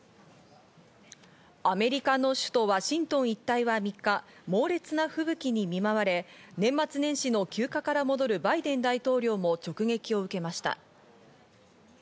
アメリカの首都ワシントン一帯は３日、猛烈な吹雪に見舞われ、年末年始の休暇から戻るバイデン大統領も直撃を受けました。